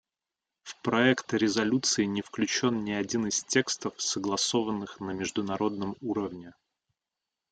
В проект резолюции не включен ни один из текстов, согласованных на международном уровне.